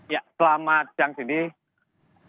ya selamat siang sindi